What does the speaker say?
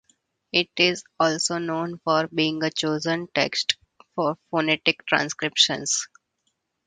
It is also known for being a chosen text for phonetic transcriptions.